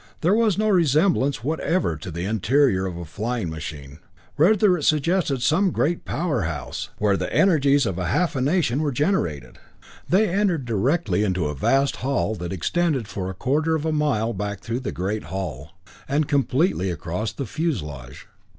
There was no resemblance whatever to the interior of a flying machine; rather, it suggested some great power house, where the energies of half a nation were generated. They entered directly into a vast hall that extended for a quarter of a mile back through the great hull, and completely across the fuselage.